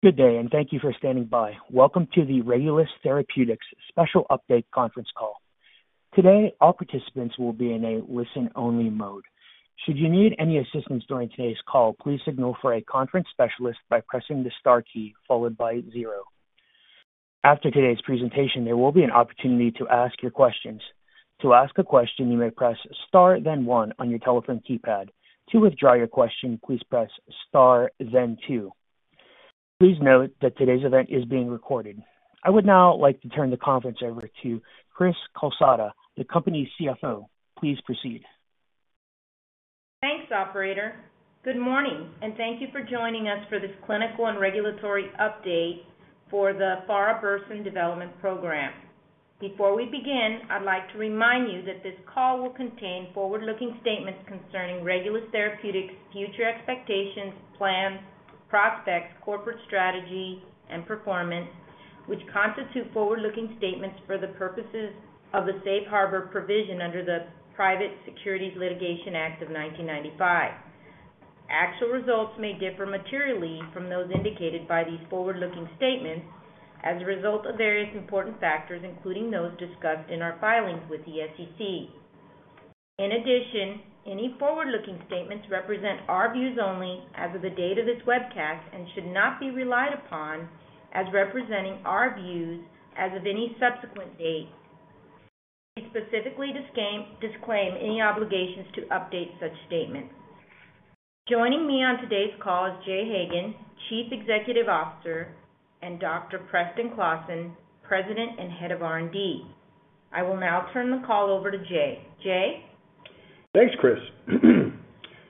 Good day, and thank you for standing by. Welcome to the Regulus Therapeutics special update conference call. Today, all participants will be in a listen-only mode. Should you need any assistance during today's call, please signal for a conference specialist by pressing the star key followed by zero. After today's presentation, there will be an opportunity to ask your questions. To ask a question, you may press star, then one on your telephone keypad. To withdraw your question, please press star, then two. Please note that today's event is being recorded. I would now like to turn the conference over to Cris Calsada, the company CFO. Please proceed. Thanks, Operator. Good morning, and thank you for joining us for this clinical and regulatory update for the farabursen development program. Before we begin, I'd like to remind you that this call will contain forward-looking statements concerning Regulus Therapeutics' future expectations, plans, prospects, corporate strategy, and performance, which constitute forward-looking statements for the purposes of the safe harbor provision under the Private Securities Litigation Act of 1995. Actual results may differ materially from those indicated by these forward-looking statements as a result of various important factors, including those discussed in our filings with the SEC. In addition, any forward-looking statements represent our views only as of the date of this webcast and should not be relied upon as representing our views as of any subsequent date. We specifically disclaim any obligations to update such statements. Joining me on today's call is Jay Hagan, Chief Executive Officer, and Dr. Preston Klassen, President and Head of R&D. I will now turn the call over to Jay. Jay? Thanks, Cris.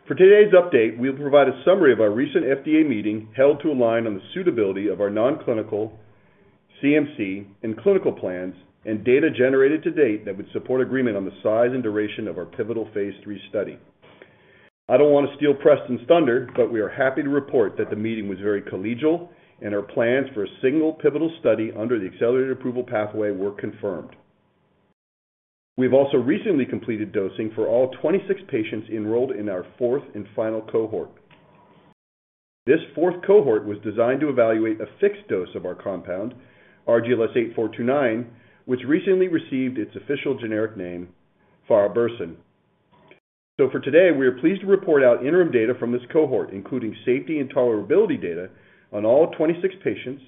For today's update, we will provide a summary of our recent FDA meeting held to align on the suitability of our non-clinical, CMC, and clinical plans and data generated to date that would support agreement on the size and duration of our pivotal phase III study. I don't want to steal Preston's thunder, but we are happy to report that the meeting was very collegial, and our plans for a single pivotal study under the accelerated approval pathway were confirmed. We have also recently completed dosing for all 26 patients enrolled in our fourth and final cohort. This fourth cohort was designed to evaluate a fixed dose of our compound, RGLS8429, which recently received its official generic name, farabursen. So for today, we are pleased to report out interim data from this cohort, including safety and tolerability data on all 26 patients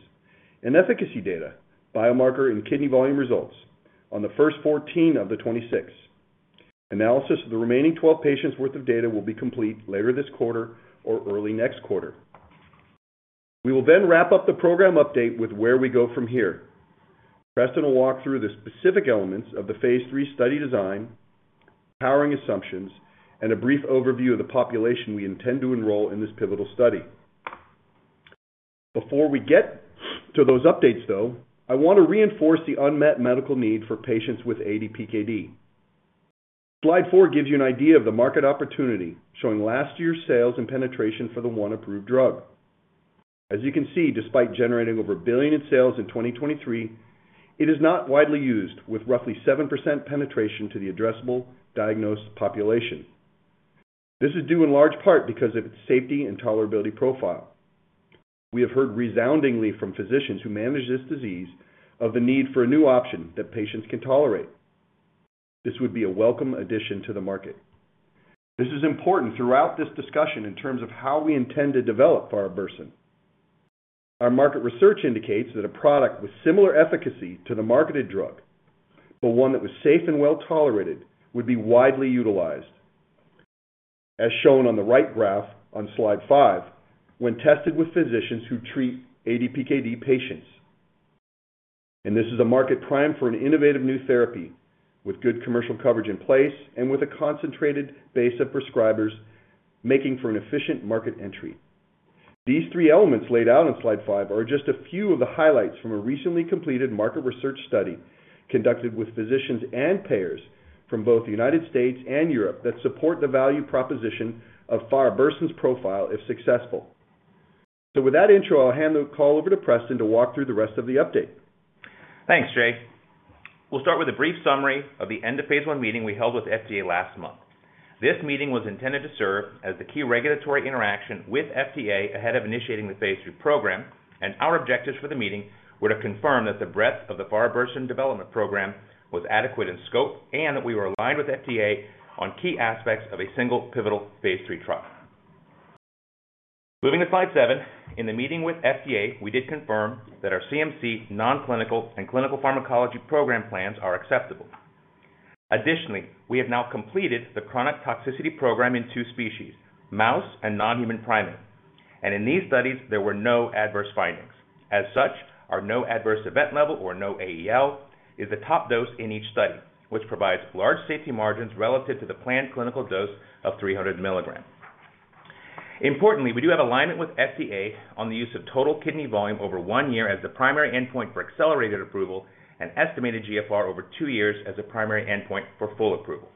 and efficacy data, biomarker and kidney volume results on the first 14 of the 26. Analysis of the remaining 12 patients' worth of data will be complete later this quarter or early next quarter. We will then wrap up the program update with where we go from here. Preston will walk through the specific elements of the phase III study design, powering assumptions, and a brief overview of the population we intend to enroll in this pivotal study. Before we get to those updates, though, I want to reinforce the unmet medical need for patients with ADPKD. Slide four gives you an idea of the market opportunity, showing last year's sales and penetration for the one approved drug. As you can see, despite generating over $1 billion in sales in 2023, it is not widely used, with roughly 7% penetration to the addressable diagnosed population. This is due in large part because of its safety and tolerability profile. We have heard resoundingly from physicians who manage this disease of the need for a new option that patients can tolerate. This would be a welcome addition to the market. This is important throughout this discussion in terms of how we intend to develop farabursen. Our market research indicates that a product with similar efficacy to the marketed drug, but one that was safe and well tolerated, would be widely utilized, as shown on the right graph on slide five, when tested with physicians who treat ADPKD patients. And this is a market prime for an innovative new therapy with good commercial coverage in place and with a concentrated base of prescribers making for an efficient market entry. These three elements laid out on slide five are just a few of the highlights from a recently completed market research study conducted with physicians and payers from both the United States and Europe that support the value proposition of farabursen's profile if successful. So with that intro, I'll hand the call over to Preston to walk through the rest of the update. Thanks, Jay. We'll start with a brief summary of the End-of-Phase 1 meeting we held with FDA last month. This meeting was intended to serve as the key regulatory interaction with FDA ahead of initiating the phase III program, and our objectives for the meeting were to confirm that the breadth of the farabursen development program was adequate in scope and that we were aligned with FDA on key aspects of a single pivotal phase III trial. Moving to slide seven, in the meeting with FDA, we did confirm that our CMC, non-clinical, and clinical pharmacology program plans are acceptable. Additionally, we have now completed the chronic toxicity program in two species, mouse and non-human primate, and in these studies, there were no adverse findings. As such, our No Observed Adverse Effect Level or NOAEL is the top dose in each study, which provides large safety margins relative to the planned clinical dose of 300 mg. Importantly, we do have alignment with FDA on the use of total kidney volume over one year as the primary endpoint for accelerated approval and estimated GFR over two years as the primary endpoint for full approval.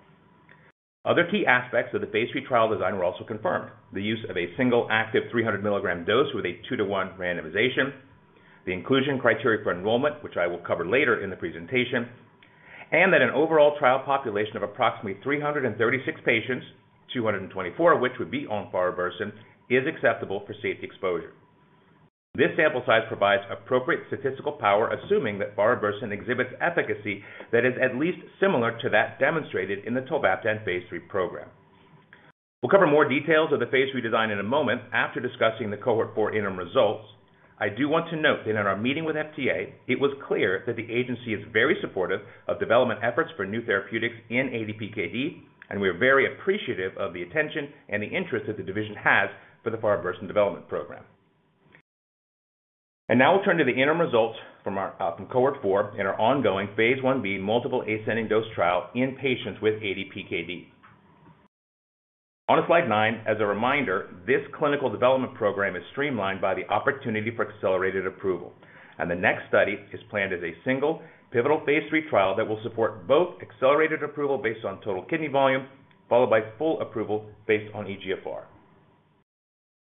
Other key aspects of the phase III trial design were also confirmed: the use of a single active 300 mg dose with a two-to-one randomization, the inclusion criteria for enrollment, which I will cover later in the presentation, and that an overall trial population of approximately 336 patients, 224 of which would be on farabursen, is acceptable for safety exposure. This sample size provides appropriate statistical power, assuming that farabursen exhibits efficacy that is at least similar to that demonstrated in the tolvaptan phase III program. We'll cover more details of the phase III design in a moment after discussing the cohort four interim results. I do want to note that in our meeting with FDA, it was clear that the agency is very supportive of development efforts for new therapeutics in ADPKD, and we are very appreciative of the attention and the interest that the division has for the farabursen development program. And now we'll turn to the interim results from cohort four in our ongoing phase I-B multiple ascending dose trial in patients with ADPKD. On slide nine, as a reminder, this clinical development program is streamlined by the opportunity for accelerated approval. And the next study is planned as a single pivotal phase III trial that will support both accelerated approval based on total kidney volume, followed by full approval based on eGFR.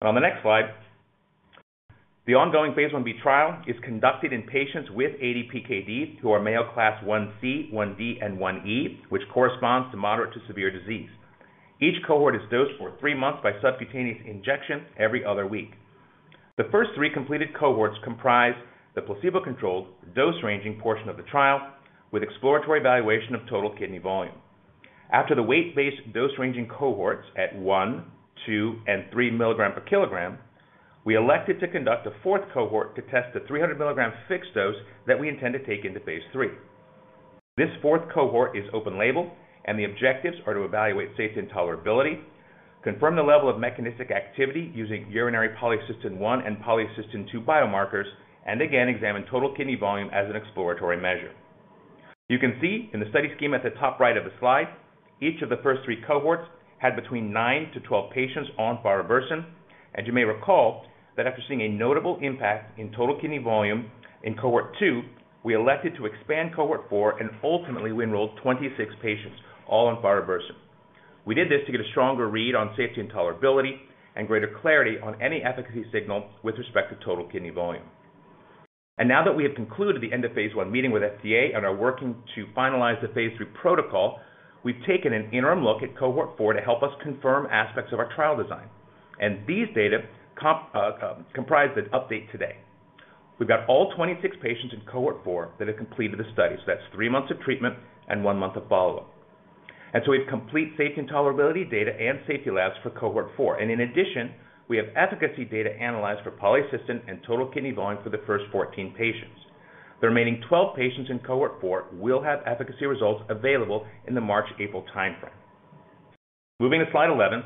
And on the next slide, the ongoing phase I-B trial is conducted in patients with ADPKD who are Mayo Class 1C, 1D, and 1E, which corresponds to moderate to severe disease. Each cohort is dosed for three months by subcutaneous injection every other week. The first three completed cohorts comprise the placebo-controlled dose-ranging portion of the trial with exploratory evaluation of total kidney volume. After the weight-based dose-ranging cohorts at one, two, and 3 mg/kg, we elected to conduct a fourth cohort to test the 300 mg fixed dose that we intend to take into phase III. This fourth cohort is open label, and the objectives are to evaluate safety and tolerability, confirm the level of mechanistic activity using urinary polycystin-1 and polycystin-2 biomarkers, and again, examine total kidney volume as an exploratory measure. You can see in the study scheme at the top right of the slide, each of the first three cohorts had between nine to 12 patients on farabursen. And you may recall that after seeing a notable impact in total kidney volume in cohort two, we elected to expand cohort four, and ultimately, we enrolled 26 patients, all on farabursen. We did this to get a stronger read on safety and tolerability and greater clarity on any efficacy signal with respect to total kidney volume. Now that we have concluded the End-of-Phase 1 meeting with FDA and are working to finalize the phase III protocol, we've taken an interim look at cohort four to help us confirm aspects of our trial design. These data comprise the update today. We've got all 26 patients in cohort four that have completed the study. That's three months of treatment and one month of follow-up. We have complete safety and tolerability data and safety labs for cohort four. In addition, we have efficacy data analyzed for polycystin and total kidney volume for the first 14 patients. The remaining 12 patients in cohort four will have efficacy results available in the March-April timeframe. Moving to slide 11,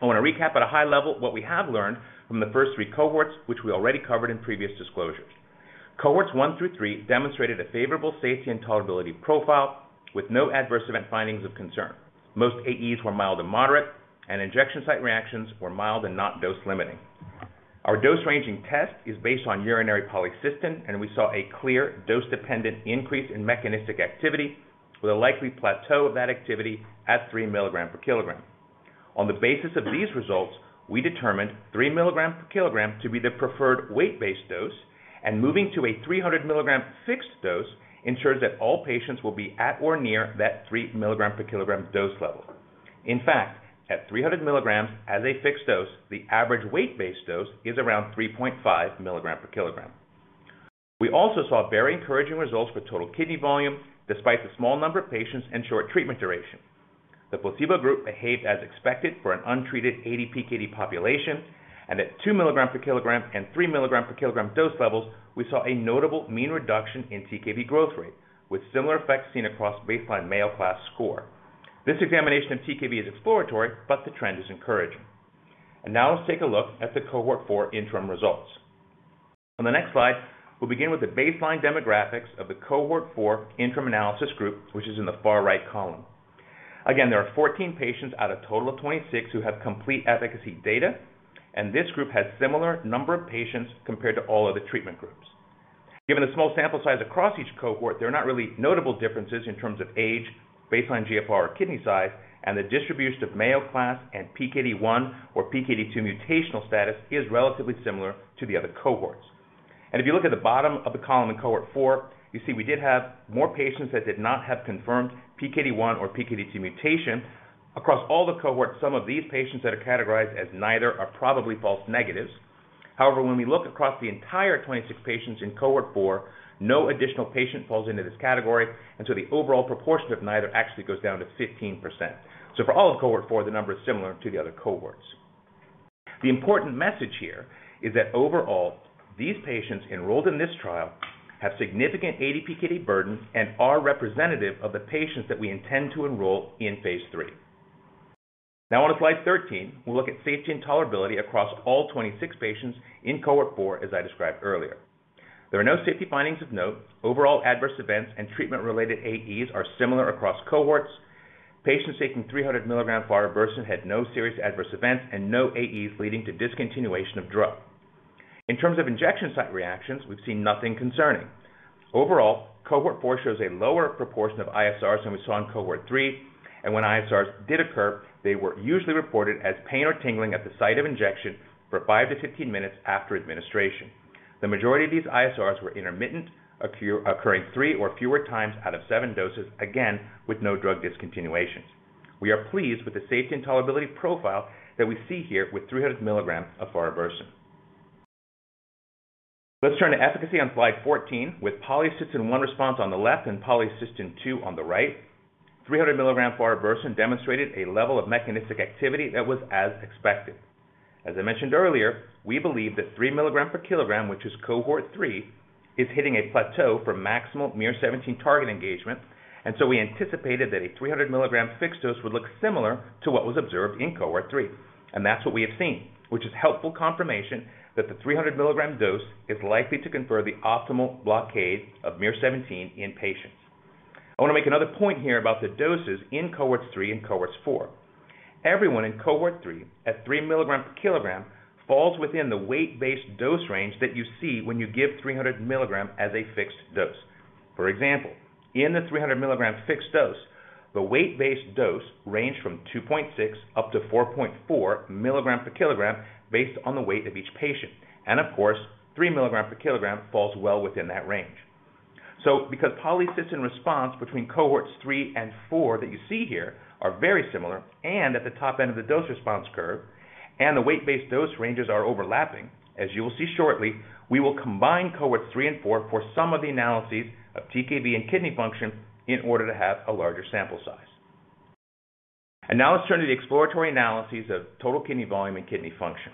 I want to recap at a high level what we have learned from the first three cohorts, which we already covered in previous disclosures. Cohorts one through three demonstrated a favorable safety and tolerability profile with no adverse event findings of concern. Most AEs were mild to moderate, and injection site reactions were mild and not dose-limiting. Our dose-ranging test is based on urinary polycystin, and we saw a clear dose-dependent increase in mechanistic activity with a likely plateau of that activity at 3 mg/kg. On the basis of these results, we determined 3 mg/kg to be the preferred weight-based dose, and moving to a 300 mg fixed dose ensures that all patients will be at or near that 3 mg/kg dose level. In fact, at 300 mg as a fixed dose, the average weight-based dose is around 3.5 mg/kg. We also saw very encouraging results for total kidney volume despite the small number of patients and short treatment duration. The placebo group behaved as expected for an untreated ADPKD population, and at 2 mg/kg and 3 mg/kg dose levels, we saw a notable mean reduction in TKV growth rate, with similar effects seen across baseline Mayo Class score. This examination of TKV is exploratory, but the trend is encouraging. And now let's take a look at the cohort four interim results. On the next slide, we'll begin with the baseline demographics of the cohort four interim analysis group, which is in the far right column. Again, there are 14 patients out of a total of 26 who have complete efficacy data, and this group has a similar number of patients compared to all other treatment groups. Given the small sample size across each cohort, there are not really notable differences in terms of age, baseline eGFR, or kidney size, and the distribution of Mayo Class and PKD1 or PKD2 mutational status is relatively similar to the other cohorts. And if you look at the bottom of the column in cohort four, you see we did have more patients that did not have confirmed PKD1 or PKD2 mutation. Across all the cohorts, some of these patients that are categorized as neither are probably false negatives. However, when we look across the entire 26 patients in cohort four, no additional patient falls into this category, and so the overall proportion of neither actually goes down to 15%. So for all of cohort four, the number is similar to the other cohorts. The important message here is that overall, these patients enrolled in this trial have significant ADPKD burden and are representative of the patients that we intend to enroll in phase. Now on slide 13, we'll look at safety and tolerability across all 26 patients in cohort four, as I described earlier. There are no safety findings of note. Overall adverse events and treatment-related AEs are similar across cohorts. Patients taking 300 mg farabursen had no serious adverse events and no AEs leading to discontinuation of drug. In terms of injection site reactions, we've seen nothing concerning. Overall, cohort four shows a lower proportion of ISRs than we saw in cohort three, and when ISRs did occur, they were usually reported as pain or tingling at the site of injection for 5-15 minutes after administration. The majority of these ISRs were intermittent, occurring three or fewer times out of seven doses, again, with no drug discontinuations. We are pleased with the safety and tolerability profile that we see here with 300 mg of farabursen. Let's turn to efficacy on slide 14, with polycystin-1 response on the left and polycystin-2 on the right. 300 mg farabursen demonstrated a level of mechanistic activity that was as expected. As I mentioned earlier, we believe that 3 mg/kg, which is cohort three, is hitting a plateau for maximal miR-17 target engagement, and so we anticipated that a 300 mg fixed dose would look similar to what was observed in cohort three. And that's what we have seen, which is helpful confirmation that the 300 mg dose is likely to confer the optimal blockade of miR-17 in patients. I want to make another point here about the doses in cohort three and cohort four. Everyone in cohort three at 3 mg/kg falls within the weight-based dose range that you see when you give 300 mg as a fixed dose. For example, in the 300 mg fixed dose, the weight-based dose ranged from 2.6-4.4 mg/kg based on the weight of each patient, and of course, 3 mg/kg falls well within that range, so because polycystin response between cohorts three and four that you see here are very similar and at the top end of the dose response curve, and the weight-based dose ranges are overlapping, as you will see shortly, we will combine cohorts three and four for some of the analyses of TKV and kidney function in order to have a larger sample size. Now let's turn to the exploratory analyses of total kidney volume and kidney function.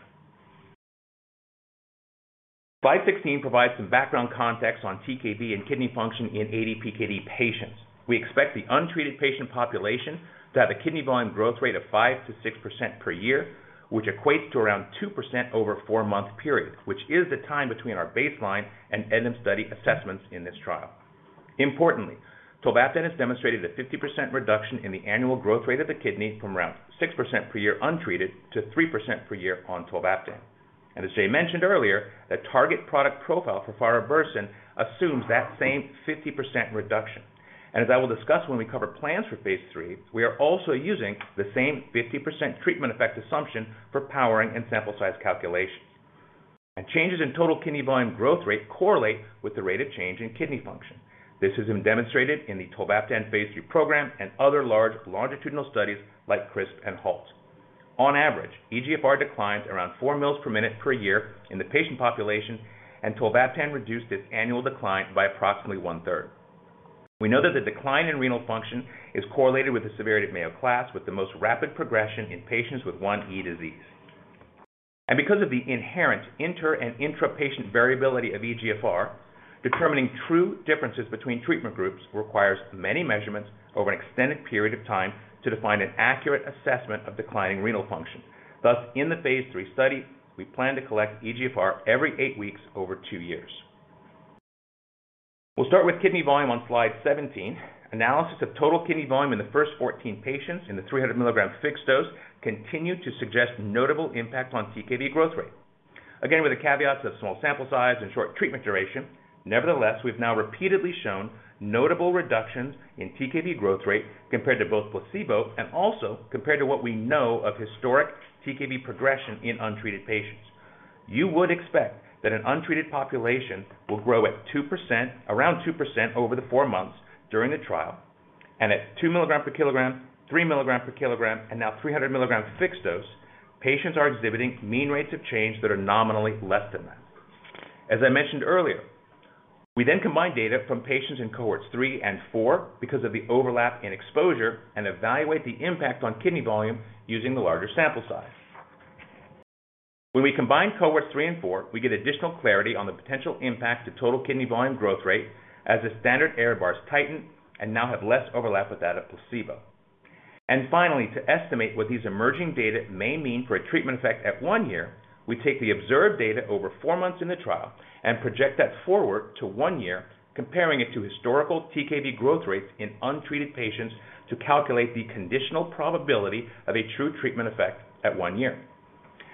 Slide 16 provides some background context on TKV and kidney function in ADPKD patients. We expect the untreated patient population to have a kidney volume growth rate of 5%-6% per year, which equates to around 2% over a four-month period, which is the time between our baseline and end-of-study assessments in this trial. Importantly, tolvaptan has demonstrated a 50% reduction in the annual growth rate of the kidney from around 6% per year untreated to 3% per year on tolvaptan. As Jay mentioned earlier, the target product profile for farabursen assumes that same 50% reduction. As I will discuss when we cover plans for phase III, we are also using the same 50% treatment effect assumption for powering and sample size calculations. Changes in total kidney volume growth rate correlate with the rate of change in kidney function. This has been demonstrated in the tolvaptan phase III program and other large longitudinal studies like CRISP and HALT. On average, eGFR declines around four mL/min per year in the patient population, and tolvaptan reduced its annual decline by approximately one-third. We know that the decline in renal function is correlated with the severity of Mayo Class, with the most rapid progression in patients with 1E disease. Because of the inherent inter- and intra-patient variability of eGFR, determining true differences between treatment groups requires many measurements over an extended period of time to define an accurate assessment of declining renal function. Thus, in the phase III study, we plan to collect eGFR every eight weeks over two years. We'll start with kidney volume on slide 17. Analysis of total kidney volume in the first 14 patients in the 300 mg fixed dose continued to suggest notable impact on TKV growth rate. Again, with the caveats of small sample size and short treatment duration, nevertheless, we've now repeatedly shown notable reductions in TKV growth rate compared to both placebo and also compared to what we know of historic TKV progression in untreated patients. You would expect that an untreated population will grow at 2%, around 2% over the four months during the trial, and at 2 mg/kg, 3 mg/kg, and now 300 mg fixed dose, patients are exhibiting mean rates of change that are nominally less than that. As I mentioned earlier, we then combine data from patients in cohorts three and four because of the overlap in exposure and evaluate the impact on kidney volume using the larger sample size. When we combine cohorts three and four, we get additional clarity on the potential impact to total kidney volume growth rate as the standard error bars tighten and now have less overlap with that of placebo. And finally, to estimate what these emerging data may mean for a treatment effect at one year, we take the observed data over four months in the trial and project that forward to one year, comparing it to historical TKV growth rates in untreated patients to calculate the conditional probability of a true treatment effect at one year.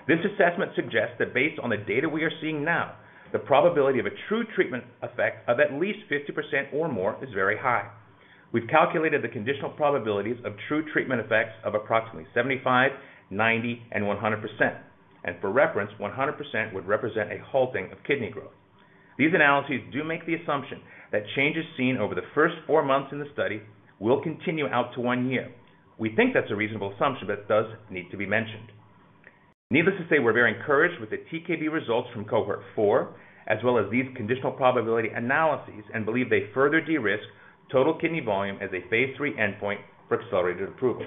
This assessment suggests that based on the data we are seeing now, the probability of a true treatment effect of at least 50% or more is very high. We've calculated the conditional probabilities of true treatment effects of approximately 75%, 90%, and 100%. And for reference, 100% would represent a halting of kidney growth. These analyses do make the assumption that changes seen over the first four months in the study will continue out to one year. We think that's a reasonable assumption, but it does need to be mentioned. Needless to say, we're very encouraged with the TKV results from cohort four, as well as these conditional probability analyses, and believe they further de-risk total kidney volume as a phase III endpoint for accelerated approval.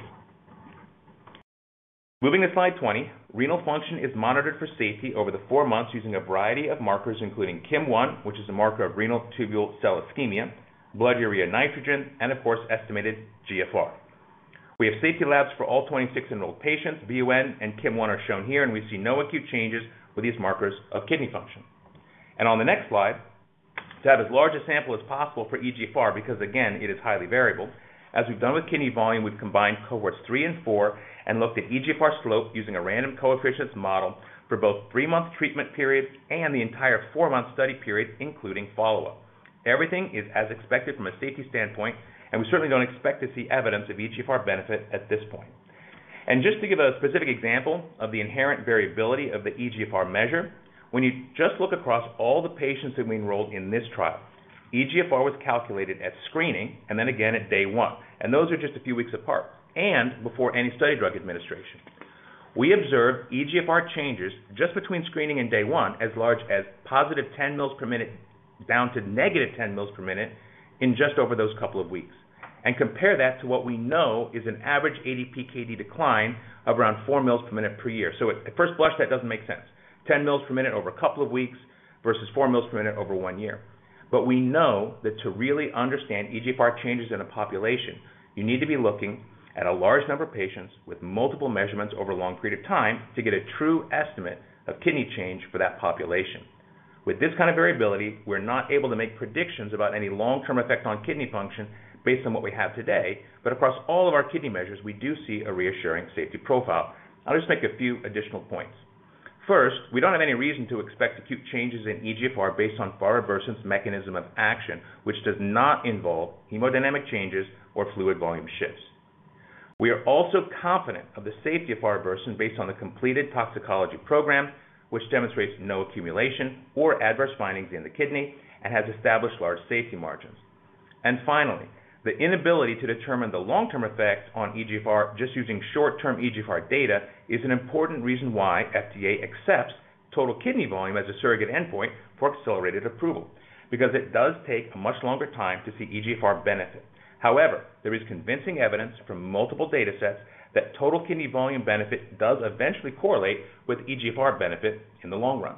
Moving to slide 20, renal function is monitored for safety over the four months using a variety of markers, including KIM-1, which is a marker of renal tubule cell ischemia, blood urea nitrogen, and of course, estimated GFR. We have safety labs for all 26 enrolled patients. BUN and KIM-1 are shown here, and we see no acute changes with these markers of kidney function. And on the next slide, to have as large a sample as possible for eGFR because, again, it is highly variable. As we've done with kidney volume, we've combined cohorts three and four and looked at eGFR slope using a random coefficients model for both three-month treatment period and the entire four-month study period, including follow-up. Everything is as expected from a safety standpoint, and we certainly don't expect to see evidence of eGFR benefit at this point. And just to give a specific example of the inherent variability of the eGFR measure, when you just look across all the patients who were enrolled in this trial, eGFR was calculated at screening and then again at day one, and those are just a few weeks apart and before any study drug administration. We observed eGFR changes just between screening and day one as large as +10 mL/min down to -10 mL/min in just over those couple of weeks. And compare that to what we know is an average ADPKD decline of around 4 mL/min per year. So at first blush, that doesn't make sense. 10 mL/min over a couple of weeks versus 4 mL/min over one year. But we know that to really understand eGFR changes in a population, you need to be looking at a large number of patients with multiple measurements over a long period of time to get a true estimate of kidney change for that population. With this kind of variability, we're not able to make predictions about any long-term effect on kidney function based on what we have today, but across all of our kidney measures, we do see a reassuring safety profile. I'll just make a few additional points. First, we don't have any reason to expect acute changes in eGFR based on farabursen's mechanism of action, which does not involve hemodynamic changes or fluid volume shifts. We are also confident of the safety of farabursen based on the completed toxicology program, which demonstrates no accumulation or adverse findings in the kidney and has established large safety margins, and finally, the inability to determine the long-term effects on eGFR just using short-term eGFR data is an important reason why FDA accepts total kidney volume as a surrogate endpoint for accelerated approval because it does take a much longer time to see eGFR benefit. However, there is convincing evidence from multiple data sets that total kidney volume benefit does eventually correlate with eGFR benefit in the long run,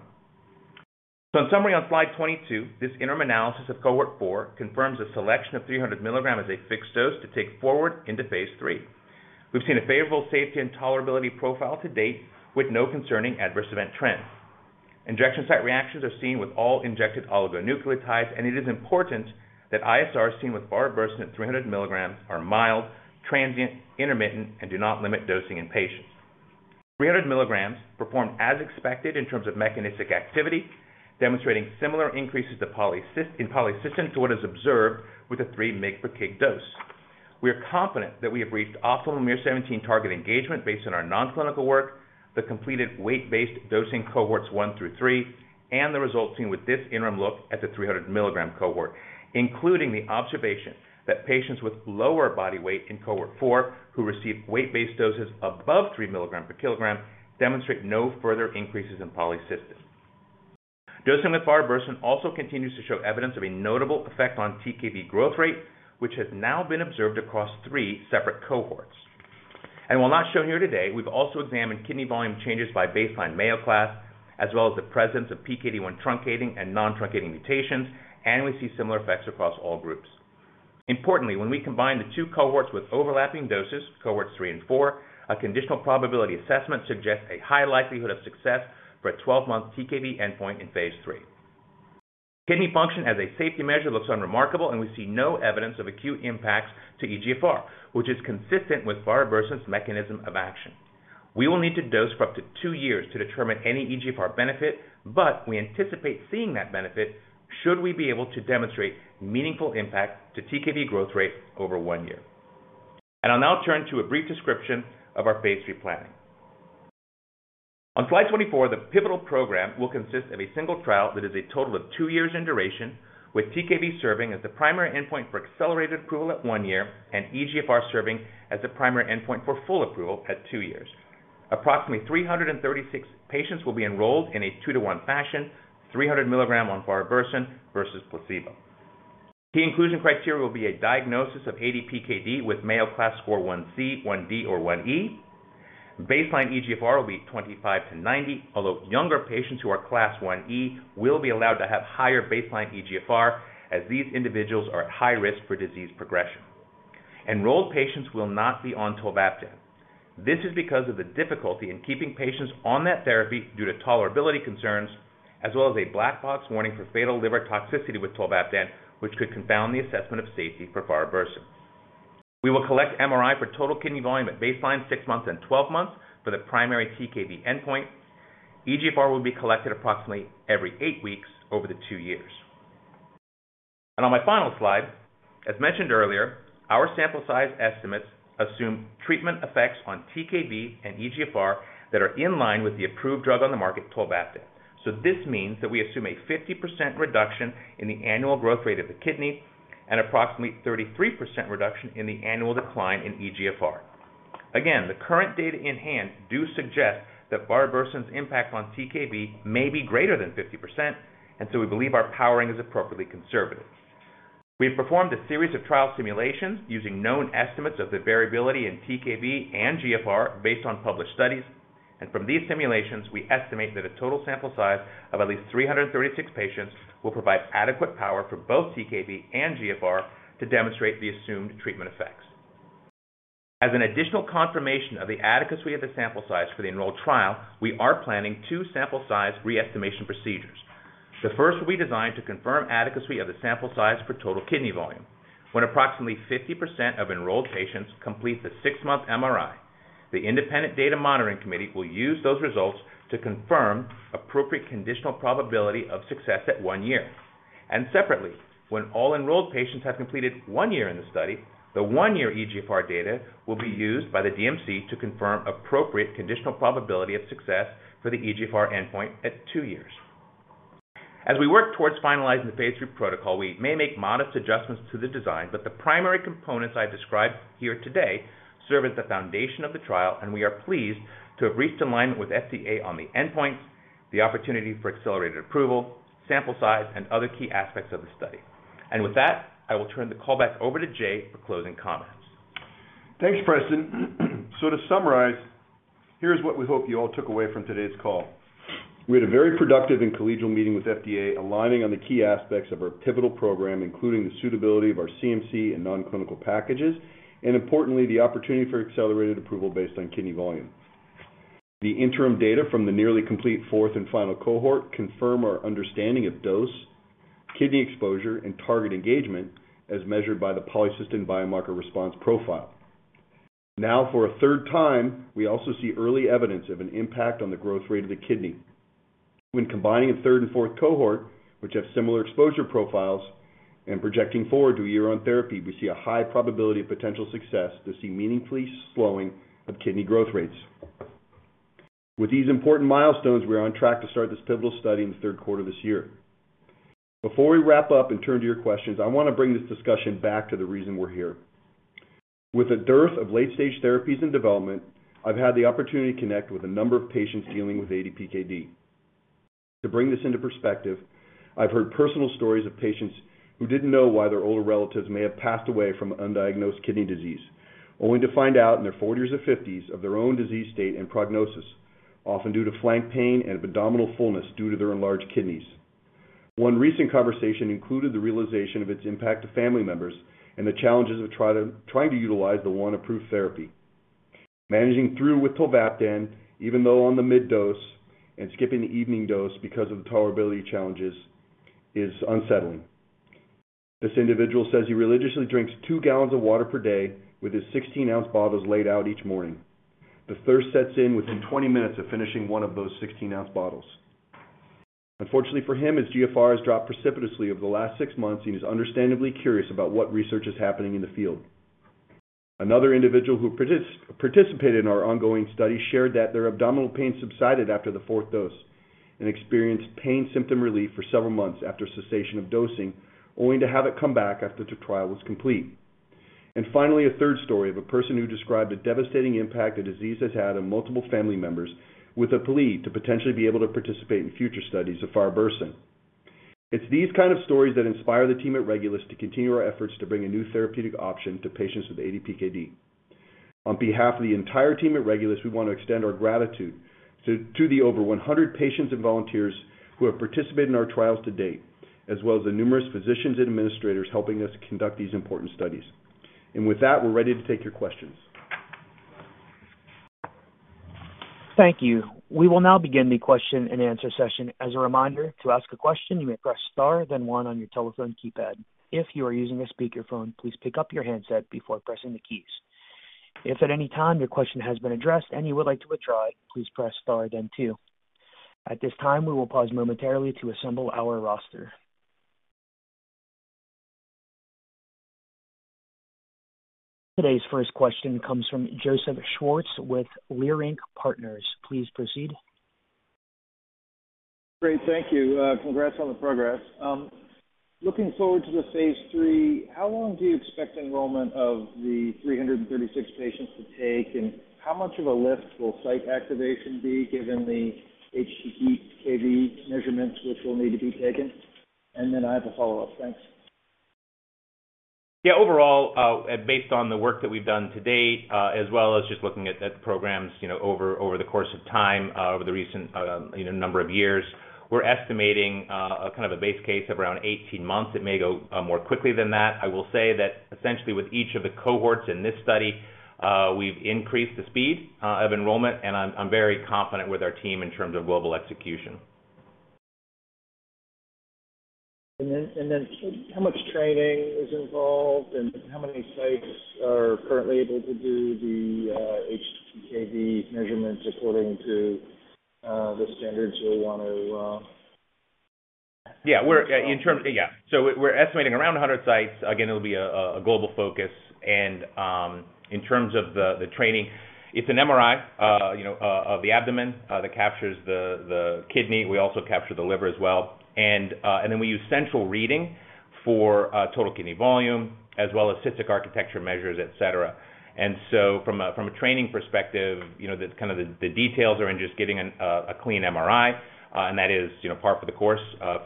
so in summary, on slide 22, this interim analysis of cohort four confirms a selection of 300 mg as a fixed dose to take forward into phase III. We've seen a favorable safety and tolerability profile to date with no concerning adverse event trends. Injection site reactions are seen with all injected oligonucleotides, and it is important that ISRs seen with farabursen at 300 mg are mild, transient, intermittent, and do not limit dosing in patients. 300 mg performed as expected in terms of mechanistic activity, demonstrating similar increases in polycystin to what is observed with a 3 mg/kg dose. We are confident that we have reached optimal miR-17 target engagement based on our nonclinical work, the completed weight-based dosing cohorts one through three, and the results seen with this interim look at the 300 mg cohort, including the observation that patients with lower body weight in cohort four who received weight-based doses above 3 mg/kg demonstrate no further increases in polycystin. Dosing with farabursen also continues to show evidence of a notable effect on TKV growth rate, which has now been observed across three separate cohorts. And while not shown here today, we've also examined kidney volume changes by baseline Mayo Class, as well as the presence of PKD1 truncating and non-truncating mutations, and we see similar effects across all groups. Importantly, when we combine the two cohorts with overlapping doses, cohorts three and four, a conditional probability assessment suggests a high likelihood of success for a 12-month TKV endpoint in phase III. Kidney function as a safety measure looks unremarkable, and we see no evidence of acute impacts to eGFR, which is consistent with farabursen's mechanism of action. We will need to dose for up to two years to determine any eGFR benefit, but we anticipate seeing that benefit should we be able to demonstrate meaningful impact to TKV growth rate over one year. I'll now turn to a brief description of our phase III planning. On slide 24, the pivotal program will consist of a single trial that is a total of two years in duration, with TKV serving as the primary endpoint for accelerated approval at one year and eGFR serving as the primary endpoint for full approval at two years. Approximately 336 patients will be enrolled in a two-to-one fashion, 300 mg on farabursen versus placebo. Key inclusion criteria will be a diagnosis of ADPKD with Mayo Class score 1C, 1D, or 1E. Baseline eGFR will be 25-90, although younger patients who are Class 1E will be allowed to have higher baseline eGFR as these individuals are at high risk for disease progression. Enrolled patients will not be on tolvaptan. This is because of the difficulty in keeping patients on that therapy due to tolerability concerns, as well as a black box warning for fatal liver toxicity with tolvaptan, which could confound the assessment of safety for farabursen. We will collect MRI for total kidney volume at baseline, six months, and 12 months for the primary TKV endpoint. eGFR will be collected approximately every eight weeks over the two years, and on my final slide, as mentioned earlier, our sample size estimates assume treatment effects on TKV and eGFR that are in line with the approved drug on the market, tolvaptan, so this means that we assume a 50% reduction in the annual growth rate of the kidney and approximately 33% reduction in the annual decline in eGFR. Again, the current data in hand do suggest that farabursen's impact on TKV may be greater than 50%, and so we believe our powering is appropriately conservative. We've performed a series of trial simulations using known estimates of the variability in TKV and eGFR based on published studies. And from these simulations, we estimate that a total sample size of at least 336 patients will provide adequate power for both TKV and eGFR to demonstrate the assumed treatment effects. As an additional confirmation of the adequacy of the sample size for the enrolled trial, we are planning two sample size re-estimation procedures. The first will be designed to confirm adequacy of the sample size for total kidney volume. When approximately 50% of enrolled patients complete the six-month MRI, the independent data monitoring committee will use those results to confirm appropriate conditional probability of success at one year. Separately, when all enrolled patients have completed one year in the study, the one-year eGFR data will be used by the DMC to confirm appropriate conditional probability of success for the eGFR endpoint at two years. As we work towards finalizing the phase III protocol, we may make modest adjustments to the design, but the primary components I described here today serve as the foundation of the trial, and we are pleased to have reached alignment with FDA on the endpoints, the opportunity for accelerated approval, sample size, and other key aspects of the study. With that, I will turn the call back over to Jay for closing comments. Thanks, Preston. So to summarize, here's what we hope you all took away from today's call. We had a very productive and collegial meeting with FDA aligning on the key aspects of our pivotal program, including the suitability of our CMC and nonclinical packages, and importantly, the opportunity for accelerated approval based on kidney volume. The interim data from the nearly complete fourth and final cohort confirm our understanding of dose, kidney exposure, and target engagement as measured by the polycystin biomarker response profile. Now, for a third time, we also see early evidence of an impact on the growth rate of the kidney. When combining a third and fourth cohort, which have similar exposure profiles, and projecting forward to a year on therapy, we see a high probability of potential success to see meaningfully slowing of kidney growth rates. With these important milestones, we are on track to start this pivotal study in the third quarter of this year. Before we wrap up and turn to your questions, I want to bring this discussion back to the reason we're here. With a dearth of late-stage therapies in development, I've had the opportunity to connect with a number of patients dealing with ADPKD. To bring this into perspective, I've heard personal stories of patients who didn't know why their older relatives may have passed away from undiagnosed kidney disease, only to find out in their 40s or 50s of their own disease state and prognosis, often due to flank pain and abdominal fullness due to their enlarged kidneys. One recent conversation included the realization of its impact to family members and the challenges of trying to utilize the one approved therapy. Managing through with tolvaptan, even though on the mid-dose and skipping the evening dose because of the tolerability challenges, is unsettling. This individual says he religiously drinks two gallons of water per day with his 16-ounce bottles laid out each morning. The thirst sets in within 20 minutes of finishing one of those 16-ounce bottles. Unfortunately for him, his eGFR has dropped precipitously over the last six months, and he's understandably curious about what research is happening in the field. Another individual who participated in our ongoing study shared that their abdominal pain subsided after the fourth dose and experienced pain symptom relief for several months after cessation of dosing, only to have it come back after the trial was complete. And finally, a third story of a person who described a devastating impact a disease has had on multiple family members with a plea to potentially be able to participate in future studies of farabursen. It's these kinds of stories that inspire the team at Regulus to continue our efforts to bring a new therapeutic option to patients with ADPKD. On behalf of the entire team at Regulus, we want to extend our gratitude to the over 100 patients and volunteers who have participated in our trials to date, as well as the numerous physicians and administrators helping us conduct these important studies. And with that, we're ready to take your questions. Thank you. We will now begin the question and answer session. As a reminder, to ask a question, you may press star then one on your telephone keypad. If you are using a speakerphone, please pick up your handset before pressing the keys. If at any time your question has been addressed and you would like to withdraw it, please press star then two. At this time, we will pause momentarily to assemble our roster. Today's first question comes from Joseph Schwartz with Leerink Partners. Please proceed. Great. Thank you. Congrats on the progress. Looking forward to the phase III, how long do you expect enrollment of the 336 patients to take, and how much of a lift will site activation be given the htTKV measurements which will need to be taken? And then I have a follow-up. Thanks. Yeah. Overall, based on the work that we've done to date, as well as just looking at programs over the course of time, over the recent number of years, we're estimating kind of a base case of around 18 months. It may go more quickly than that. I will say that essentially with each of the cohorts in this study, we've increased the speed of enrollment, and I'm very confident with our team in terms of global execution. How much training is involved, and how many sites are currently able to do the htTKV measurements according to the standards you'll want to? Yeah. In terms of, yeah. So we're estimating around 100 sites. Again, it'll be a global focus, and in terms of the training, it's an MRI of the abdomen that captures the kidney. We also capture the liver as well, and then we use central reading for total kidney volume, as well as cystic architecture measures, etc., and so from a training perspective, kind of the details are in just getting a clean MRI, and that is par for the course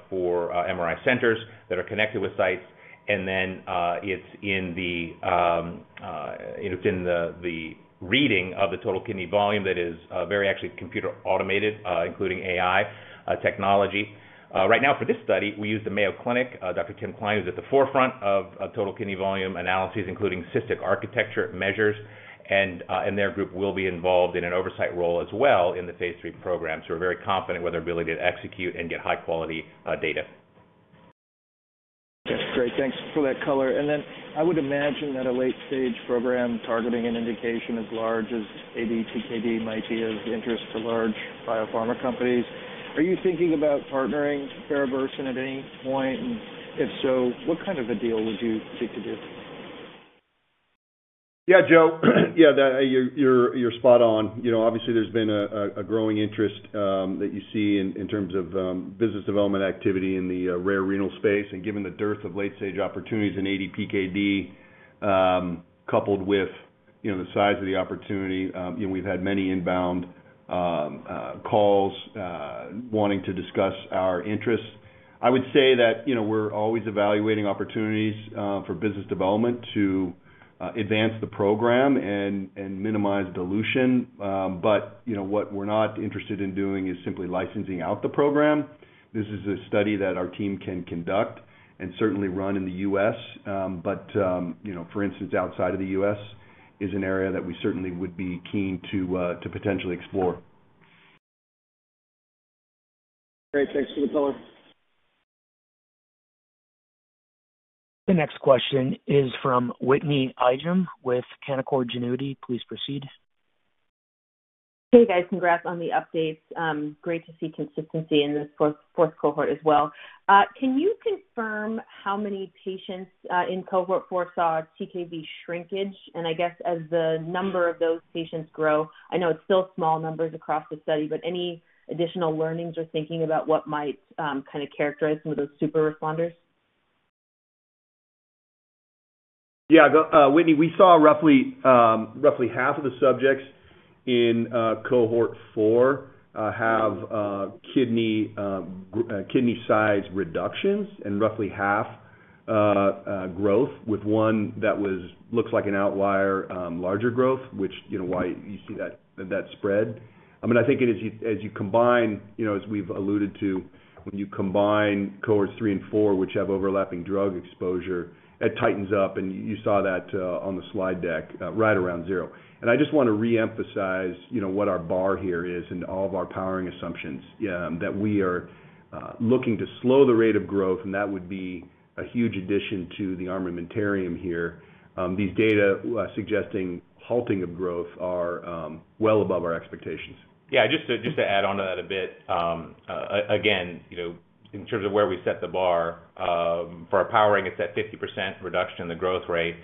for MRI centers that are connected with sites, and then it's in the reading of the total kidney volume that is very actually computer automated, including AI technology. Right now, for this study, we use the Mayo Clinic. Dr. Tim Kline is at the forefront of total kidney volume analyses, including cystic architecture measures, and their group will be involved in an oversight role as well in the phase III program, so we're very confident with our ability to execute and get high-quality data. Okay. Great. Thanks for that color. And then I would imagine that a late-stage program targeting an indication as large as ADPKD might be of interest to large biopharma companies. Are you thinking about partnering farabursen at any point? And if so, what kind of a deal would you seek to do? Yeah, Joe. Yeah, you're spot on. Obviously, there's been a growing interest that you see in terms of business development activity in the rare renal space. And given the dearth of late-stage opportunities in ADPKD, coupled with the size of the opportunity, we've had many inbound calls wanting to discuss our interests. I would say that we're always evaluating opportunities for business development to advance the program and minimize dilution. But what we're not interested in doing is simply licensing out the program. This is a study that our team can conduct and certainly run in the U.S., but for instance, outside of the U.S. is an area that we certainly would be keen to potentially explore. Great. Thanks for the color. The next question is from Whitney Ijem with Canaccord Genuity. Please proceed. Hey, guys. Congrats on the updates. Great to see consistency in this fourth cohort as well. Can you confirm how many patients in cohort four saw TKV shrinkage? And I guess as the number of those patients grow, I know it's still small numbers across the study, but any additional learnings or thinking about what might kind of characterize some of those super responders? Yeah. Whitney, we saw roughly half of the subjects in cohort four have kidney size reductions and roughly half growth, with one that looks like an outlier, larger growth, which is why you see that spread. I mean, I think as you combine, as we've alluded to, when you combine cohorts three and four, which have overlapping drug exposure, it tightens up. And you saw that on the slide deck right around zero. And I just want to reemphasize what our bar here is and all of our powering assumptions that we are looking to slow the rate of growth, and that would be a huge addition to the armamentarium here. These data suggesting halting of growth are well above our expectations. Yeah. Just to add on to that a bit, again, in terms of where we set the bar for our powering, it's that 50% reduction in the growth rate.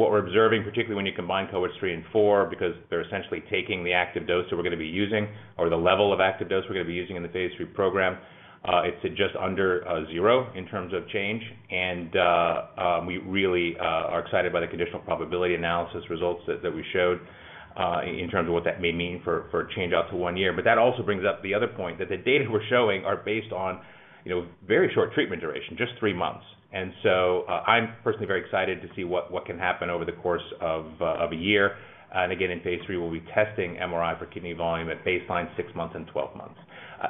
What we're observing, particularly when you combine cohorts three and four, because they're essentially taking the active dose that we're going to be using or the level of active dose we're going to be using in the phase III program, it's just under zero in terms of change. And we really are excited by the conditional probability analysis results that we showed in terms of what that may mean for change out to one year. But that also brings up the other point that the data we're showing are based on very short treatment duration, just three months. And so I'm personally very excited to see what can happen over the course of a year. And again, in phase III, we'll be testing MRI for kidney volume at baseline six months and 12 months.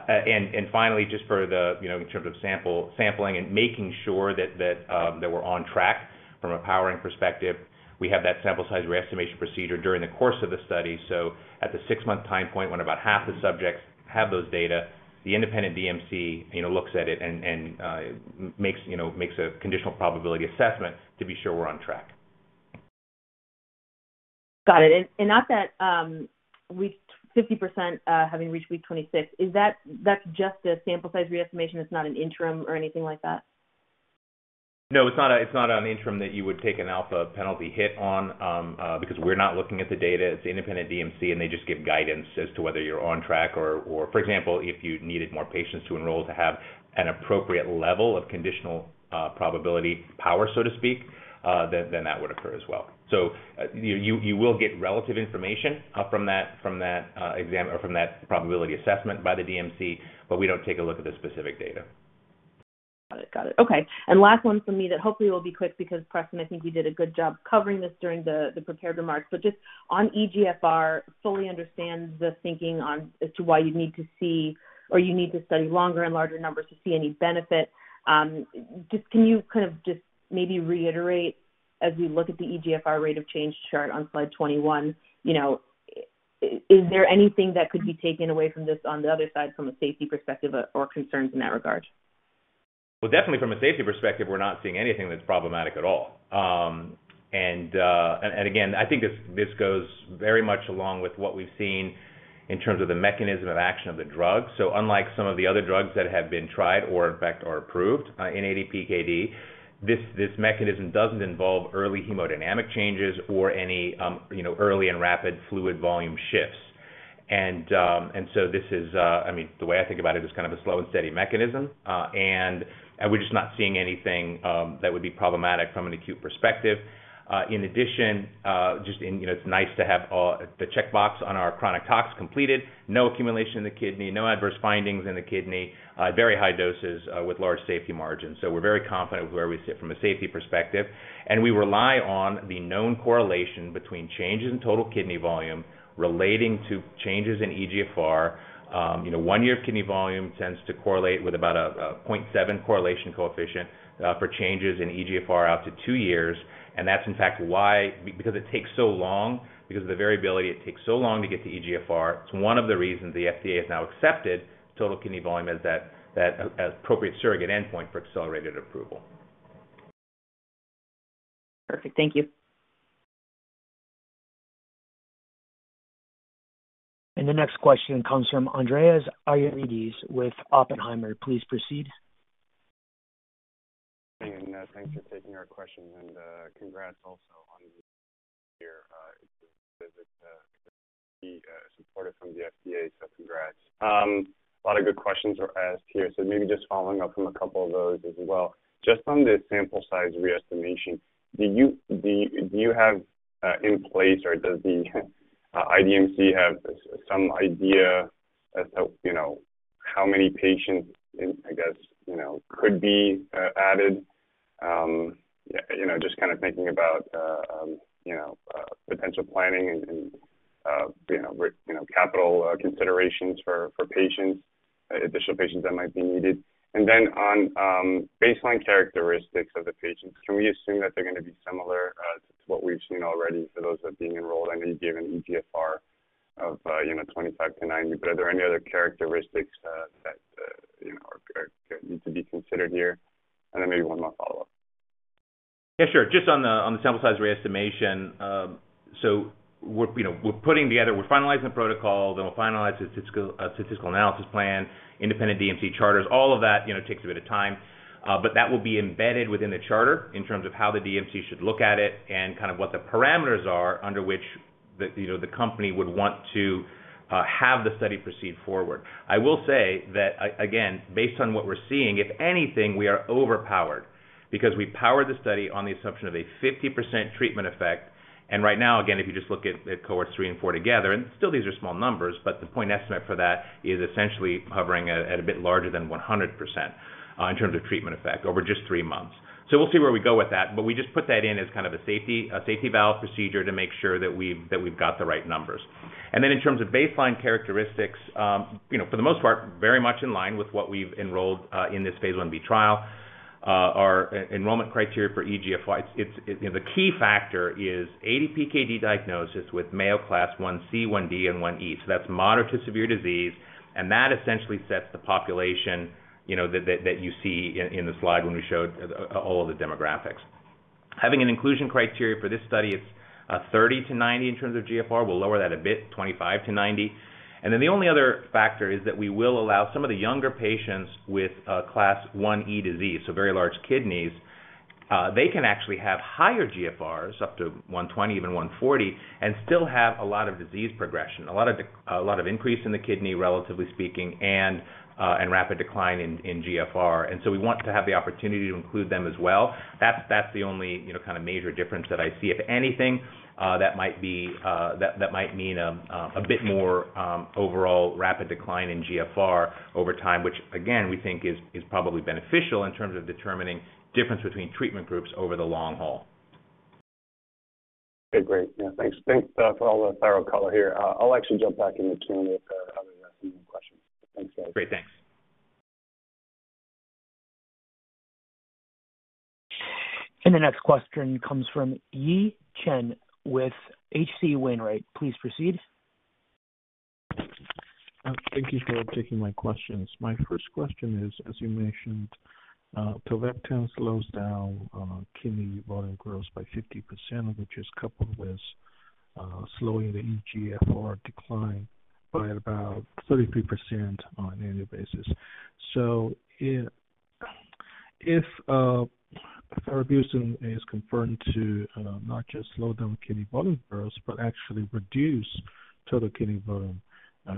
And finally, just in terms of sampling and making sure that we're on track from a powering perspective, we have that sample size re-estimation procedure during the course of the study. So at the six-month time point, when about half the subjects have those data, the independent DMC looks at it and makes a conditional probability assessment to be sure we're on track. Got it. And now that 50% having reached week 26, is that just a sample size re-estimation? It's not an interim or anything like that? No, it's not an interim that you would take an alpha penalty hit on because we're not looking at the data. It's the independent DMC, and they just give guidance as to whether you're on track or, for example, if you needed more patients to enroll to have an appropriate level of conditional probability power, so to speak, then that would occur as well. So you will get relative information from that interim or from that probability assessment by the DMC, but we don't take a look at the specific data. Got it. Got it. Okay. And last one from me that hopefully will be quick because Preston, I think you did a good job covering this during the prepared remarks. But just on eGFR, fully understand the thinking as to why you'd need to see or you need to study longer and larger numbers to see any benefit. Just can you kind of just maybe reiterate as we look at the eGFR rate of change chart on slide 21, is there anything that could be taken away from this on the other side from a safety perspective or concerns in that regard? Definitely from a safety perspective, we're not seeing anything that's problematic at all. And again, I think this goes very much along with what we've seen in terms of the mechanism of action of the drug. So unlike some of the other drugs that have been tried or, in fact, are approved in ADPKD, this mechanism doesn't involve early hemodynamic changes or any early and rapid fluid volume shifts. And so this is, I mean, the way I think about it is kind of a slow and steady mechanism. And we're just not seeing anything that would be problematic from an acute perspective. In addition, just it's nice to have the checkbox on our chronic tox completed, no accumulation in the kidney, no adverse findings in the kidney, very high doses with large safety margins. So we're very confident with where we sit from a safety perspective. And we rely on the known correlation between changes in total kidney volume relating to changes in eGFR. One year of kidney volume tends to correlate with about a 0.7 correlation coefficient for changes in eGFR out to two years. And that's, in fact, why because it takes so long because of the variability, it takes so long to get to eGFR. It's one of the reasons the FDA has now accepted total kidney volume as that appropriate surrogate endpoint for accelerated approval. Perfect. Thank you. The next question comes from Andreas Argyrides with Oppenheimer. Please proceed. Hey, and thanks for taking our questions. And congrats also on your visit to be supported from the FDA. So congrats. A lot of good questions were asked here. So maybe just following up from a couple of those as well. Just on the sample size re-estimation, do you have in place or does the IDMC have some idea as to how many patients, I guess, could be added? Just kind of thinking about potential planning and capital considerations for additional patients that might be needed. And then on baseline characteristics of the patients, can we assume that they're going to be similar to what we've seen already for those that are being enrolled? I know you gave an eGFR of 25-90, but are there any other characteristics that need to be considered here? And then maybe one more follow-up. Yeah, sure. Just on the sample size re-estimation, so we're putting together, finalizing the protocol, then we'll finalize the statistical analysis plan, independent DMC charters. All of that takes a bit of time. But that will be embedded within the charter in terms of how the DMC should look at it and kind of what the parameters are under which the company would want to have the study proceed forward. I will say that, again, based on what we're seeing, if anything, we are overpowered because we powered the study on the assumption of a 50% treatment effect. And right now, again, if you just look at cohorts three and four together, and still these are small numbers, but the point estimate for that is essentially hovering at a bit larger than 100% in terms of treatment effect over just three months. We'll see where we go with that. But we just put that in as kind of a safety valve procedure to make sure that we've got the right numbers. And then in terms of baseline characteristics, for the most part, very much in line with what we've enrolled in this phase I-B trial, our enrollment criteria for eGFR. The key factor is ADPKD diagnosis with Mayo Class 1C, 1D, and 1E. So that's moderate to severe disease. And that essentially sets the population that you see in the slide when we showed all of the demographics. Having an inclusion criteria for this study, it's 30-90 in terms of eGFR. We'll lower that a bit, 25-90. And then the only other factor is that we will allow some of the younger patients with Class 1E disease, so very large kidneys, they can actually have higher GFRs up to 120, even 140, and still have a lot of disease progression, a lot of increase in the kidney, relatively speaking, and rapid decline in GFR. And so we want to have the opportunity to include them as well. That's the only kind of major difference that I see. If anything, that might mean a bit more overall rapid decline in GFR over time, which, again, we think is probably beneficial in terms of determining difference between treatment groups over the long haul. Okay. Great. Yeah. Thanks for all the thorough color here. I'll actually jump back in the Q&A if there are some more questions. Thanks, guys. Great. Thanks. The next question comes from Yi Chen with H.C. Wainwright. Please proceed. Thank you for taking my questions. My first question is, as you mentioned, tolvaptan slows down kidney volume growth by 50%, which is coupled with slowing the eGFR decline by about 33% on an annual basis. So if farabursen is confirmed to not just slow down kidney volume growth, but actually reduce total kidney volume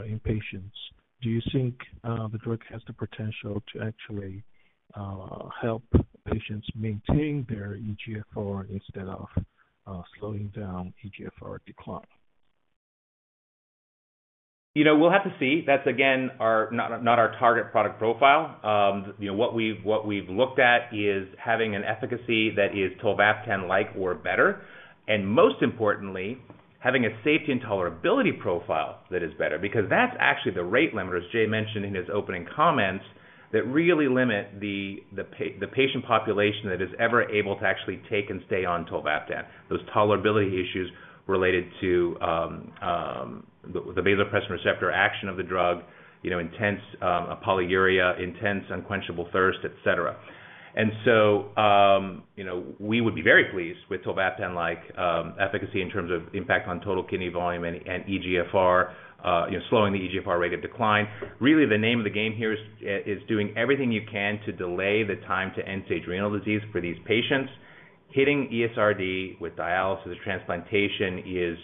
in patients, do you think the drug has the potential to actually help patients maintain their eGFR instead of slowing down eGFR decline? We'll have to see. That's, again, not our target product profile. What we've looked at is having an efficacy that is tolvaptan-like or better. And most importantly, having a safety and tolerability profile that is better because that's actually the rate limiters Jay mentioned in his opening comments that really limit the patient population that is ever able to actually take and stay on tolvaptan, those tolerability issues related to the vasopressin receptor action of the drug, intense polyuria, intense unquenchable thirst, etc. And so we would be very pleased with tolvaptan-like efficacy in terms of impact on total kidney volume and eGFR, slowing the eGFR rate of decline. Really, the name of the game here is doing everything you can to delay the time to end-stage renal disease for these patients. Hitting ESRD with dialysis or transplantation is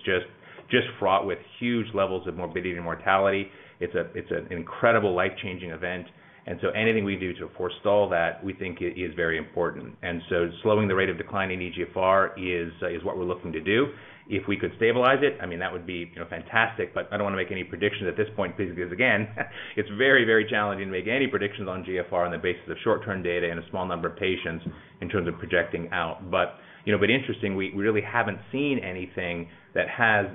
just fraught with huge levels of morbidity and mortality. It's an incredible life-changing event. Anything we do to forestall that, we think, is very important. Slowing the rate of decline in eGFR is what we're looking to do. If we could stabilize it, I mean, that would be fantastic. I don't want to make any predictions at this point, please, because, again, it's very, very challenging to make any predictions on eGFR on the basis of short-term data and a small number of patients in terms of projecting out. Interesting, we really haven't seen anything that has,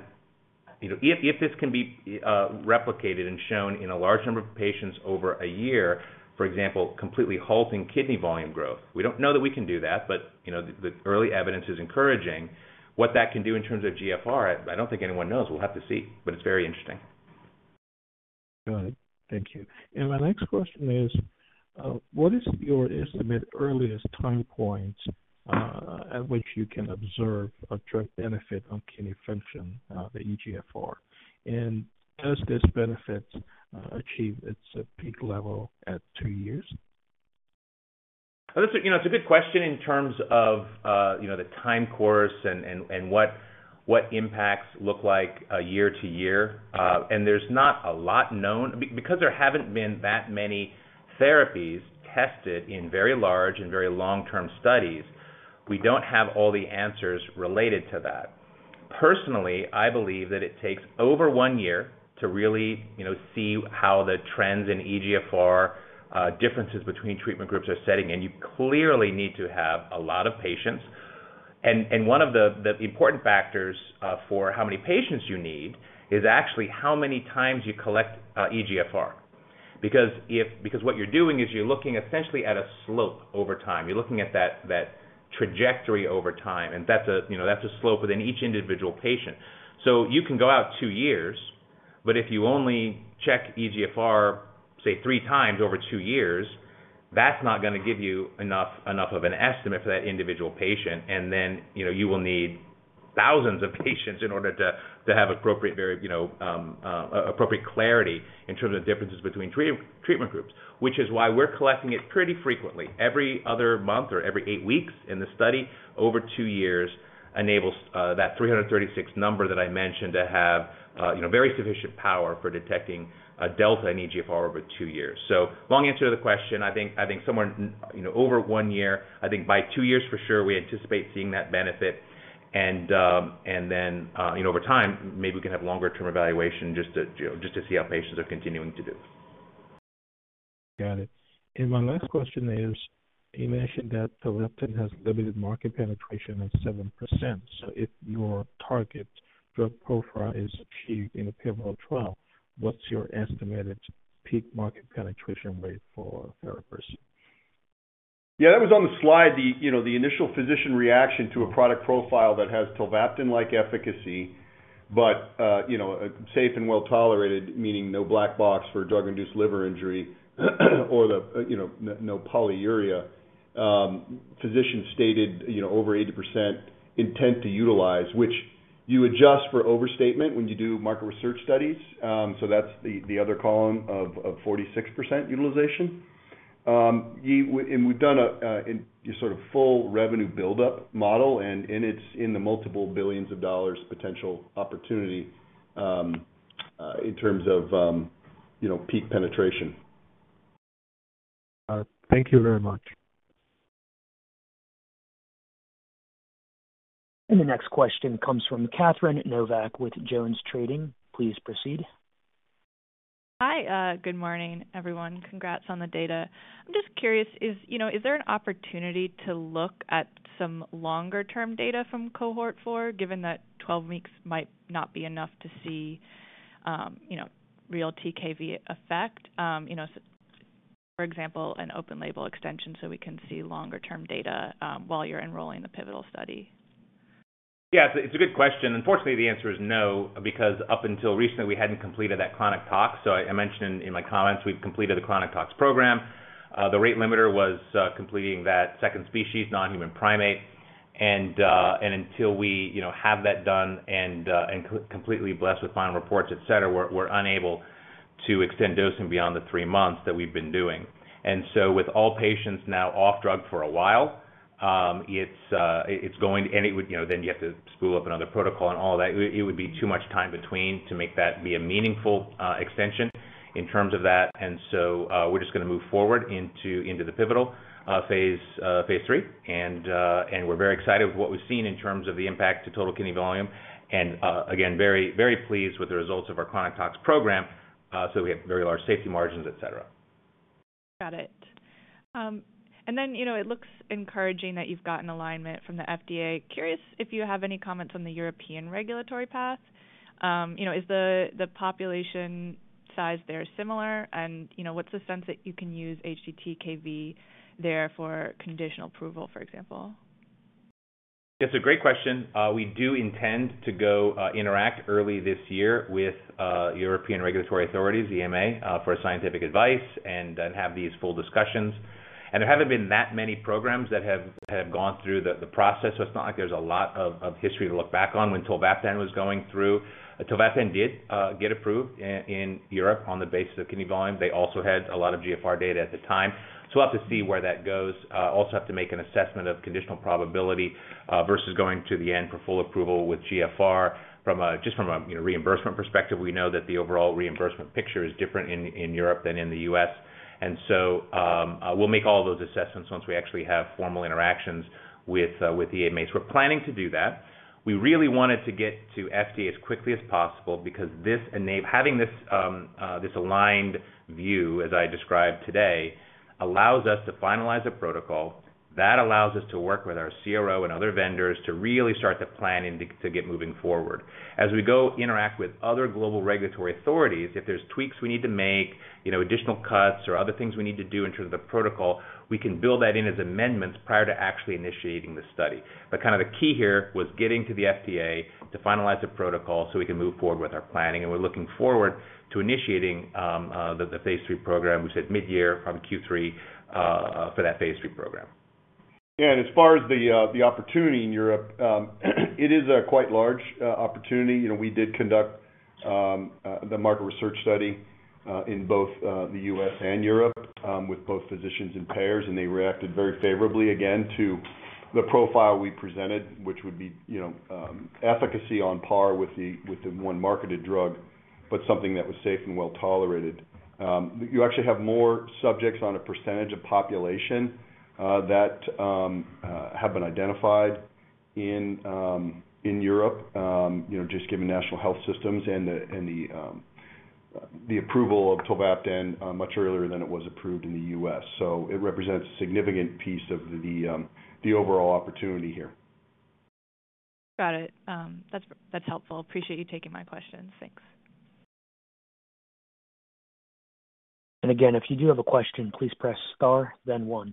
if this can be replicated and shown in a large number of patients over a year, for example, completely halting kidney volume growth. We don't know that we can do that, but the early evidence is encouraging. What that can do in terms of eGFR, I don't think anyone knows. We'll have to see. But it's very interesting. Got it. Thank you. And my next question is, what is your estimate earliest time point at which you can observe a drug benefit on kidney function, the eGFR? And does this benefit achieve its peak level at two years? It's a good question in terms of the time course and what impacts look like year to year. And there's not a lot known because there haven't been that many therapies tested in very large and very long-term studies. We don't have all the answers related to that. Personally, I believe that it takes over one year to really see how the trends in eGFR differences between treatment groups are setting. And you clearly need to have a lot of patients. And one of the important factors for how many patients you need is actually how many times you collect eGFR because what you're doing is you're looking essentially at a slope over time. You're looking at that trajectory over time. And that's a slope within each individual patient. So you can go out two years, but if you only check eGFR, say, three times over two years, that's not going to give you enough of an estimate for that individual patient. And then you will need thousands of patients in order to have appropriate clarity in terms of differences between treatment groups, which is why we're collecting it pretty frequently. Every other month or every eight weeks in the study over two years enables that 336 number that I mentioned to have very sufficient power for detecting a delta in eGFR over two years. So, long answer to the question, I think somewhere over one year. I think by two years, for sure, we anticipate seeing that benefit. And then over time, maybe we can have longer-term evaluation just to see how patients are continuing to do. Got it. And my last question is, you mentioned that tolvaptan has limited market penetration of 7%. So if your target drug profile is achieved in a pivotal trial, what's your estimated peak market penetration rate for farabursen? Yeah. That was on the slide, the initial physician reaction to a product profile that has tolvaptan-like efficacy, but safe and well-tolerated, meaning no black box for drug-induced liver injury or no polyuria. Physicians stated over 80% intent to utilize, which you adjust for overstatement when you do market research studies. So that's the other column of 46% utilization. And we've done a sort of full revenue buildup model. And it's in the multiple billions of dollars potential opportunity in terms of peak penetration. Thank you very much. The next question comes from Catherine Novack with JonesTrading. Please proceed. Hi. Good morning, everyone. Congrats on the data. I'm just curious, is there an opportunity to look at some longer-term data from cohort four, given that 12 weeks might not be enough to see real TKV effect, for example, an open-label extension so we can see longer-term data while you're enrolling the pivotal study? Yeah. It's a good question. Unfortunately, the answer is no because up until recently, we hadn't completed that chronic tox, so I mentioned in my comments, we've completed the chronic tox program. The rate limiter was completing that second species, non-human primate, and until we have that done and completely blessed with final reports, etc., we're unable to extend dosing beyond the three months that we've been doing, and so with all patients now off drug for a while, it's going to, and then you have to spool up another protocol and all of that. It would be too much time between to make that be a meaningful extension in terms of that, and so we're just going to move forward into the pivotal phase, phase III, and we're very excited with what we've seen in terms of the impact to total kidney volume. And again, very pleased with the results of our chronic tox program. So we have very large safety margins, etc. Got it. And then it looks encouraging that you've gotten alignment from the FDA. Curious if you have any comments on the European regulatory path. Is the population size there similar? And what's the sense that you can use htTKV there for conditional approval, for example? Yeah. It's a great question. We do intend to go interact early this year with European regulatory authorities, EMA, for scientific advice and have these full discussions and there haven't been that many programs that have gone through the process so it's not like there's a lot of history to look back on when tolvaptan was going through. Tolvaptan did get approved in Europe on the basis of kidney volume. They also had a lot of GFR data at the time so we'll have to see where that goes also have to make an assessment of conditional probability versus going to the end for full approval with GFR. Just from a reimbursement perspective, we know that the overall reimbursement picture is different in Europe than in the U.S. and so we'll make all those assessments once we actually have formal interactions with the EMA. We're planning to do that. We really wanted to get to FDA as quickly as possible because having this aligned view, as I described today, allows us to finalize a protocol. That allows us to work with our CRO and other vendors to really start the planning to get moving forward. As we go interact with other global regulatory authorities, if there's tweaks we need to make, additional cuts or other things we need to do in terms of the protocol, we can build that in as amendments prior to actually initiating the study, but kind of the key here was getting to the FDA to finalize a protocol so we can move forward with our planning, and we're looking forward to initiating the phase III program. We said mid-year from Q3 for that phase III program. Yeah, and as far as the opportunity in Europe, it is a quite large opportunity. We did conduct the market research study in both the U.S. and Europe with both physicians and payers, and they reacted very favorably, again, to the profile we presented, which would be efficacy on par with the one marketed drug, but something that was safe and well-tolerated. You actually have more subjects on a percentage of population that have been identified in Europe just given national health systems and the approval of tolvaptan much earlier than it was approved in the U.S., so it represents a significant piece of the overall opportunity here. Got it. That's helpful. Appreciate you taking my questions. Thanks. And again, if you do have a question, please press star, then one.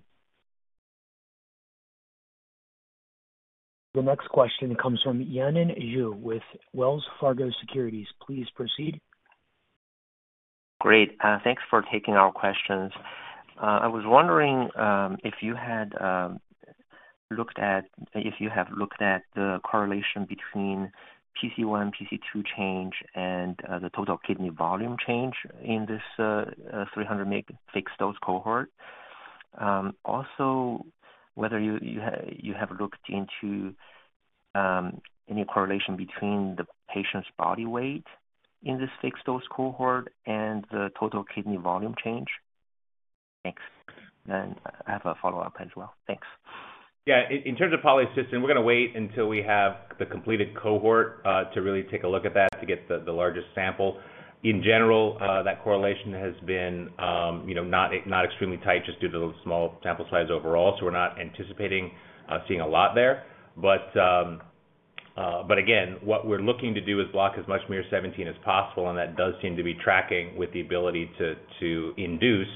The next question comes from Yanan Zhu with Wells Fargo Securities. Please proceed. Great. Thanks for taking our questions. I was wondering if you have looked at the correlation between PC1, PC2 change, and the total kidney volume change in this 300 mg fixed-dose cohort. Also, whether you have looked into any correlation between the patient's body weight in this fixed-dose cohort and the total kidney volume change. Thanks. I have a follow-up as well. Thanks. Yeah. In terms of polycystin, we're going to wait until we have the completed cohort to really take a look at that to get the largest sample. In general, that correlation has been not extremely tight just due to the small sample size overall. So we're not anticipating seeing a lot there. But again, what we're looking to do is block as much miR-17 as possible. And that does seem to be tracking with the ability to induce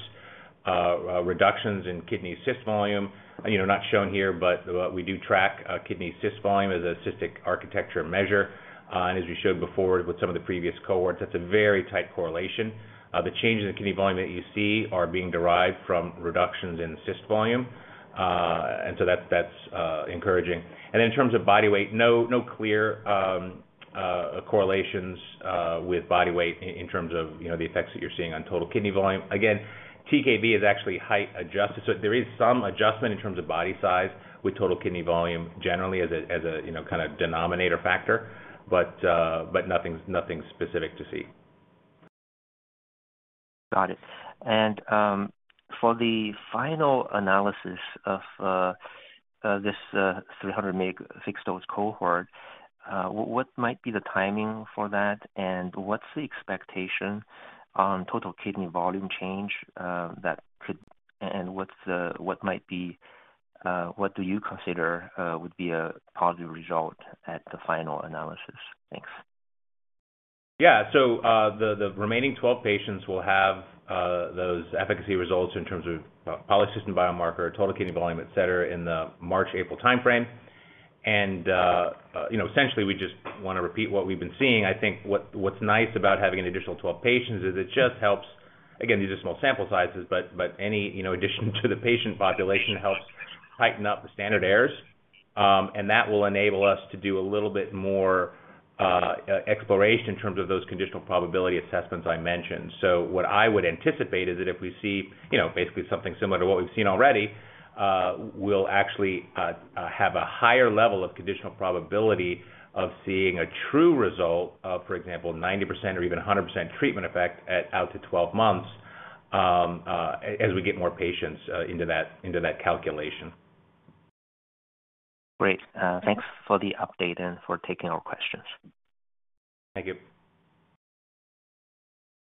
reductions in kidney cyst volume. Not shown here, but we do track kidney cyst volume as a cystic architecture measure. And as we showed before with some of the previous cohorts, that's a very tight correlation. The changes in kidney volume that you see are being derived from reductions in cyst volume. And so that's encouraging. And in terms of body weight, no clear correlations with body weight in terms of the effects that you're seeing on total kidney volume. Again, TKV is actually height adjusted. So there is some adjustment in terms of body size with total kidney volume generally as a kind of denominator factor, but nothing specific to see. Got it. And for the final analysis of this 300 mg fixed-dose cohort, what might be the timing for that? And what's the expectation on total kidney volume change that could. And what might be what do you consider would be a positive result at the final analysis? Thanks. Yeah, so the remaining 12 patients will have those efficacy results in terms of polycystin biomarker, total kidney volume, etc., in the March-April timeframe. Essentially, we just want to repeat what we've been seeing. I think what's nice about having an additional 12 patients is it just helps again. These are small sample sizes, but any addition to the patient population helps tighten up the standard errors. That will enable us to do a little bit more exploration in terms of those conditional probability assessments I mentioned. What I would anticipate is that if we see basically something similar to what we've seen already, we'll actually have a higher level of conditional probability of seeing a true result of, for example, 90% or even 100% treatment effect out to 12 months as we get more patients into that calculation. Great. Thanks for the update and for taking our questions. Thank you.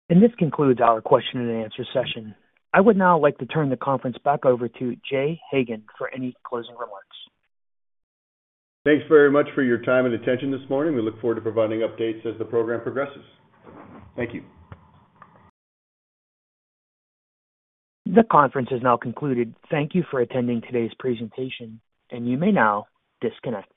This concludes our question-and-answer session. I would now like to turn the conference back over to Jay Hagan for any closing remarks. Thanks very much for your time and attention this morning. We look forward to providing updates as the program progresses. Thank you. The conference is now concluded. Thank you for attending today's presentation. And you may now disconnect.